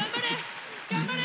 頑張れ！